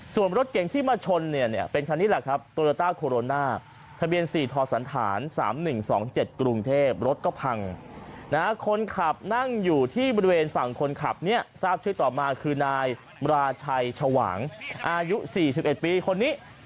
ส่วนรถเก่งที่มาชนเนี่ยเป็นคันนี้แหละครับโตโยต้าโคโรนาทะเบียน๔ทสันฐาน๓๑๒๗กรุงเทพรถก็พังนะฮะคนขับนั่งอยู่ที่บริเวณฝั่งคนขับเนี่ยทราบชื่อต่อมาคือนายราชัยชวางอายุ๔๑ปีคนนี้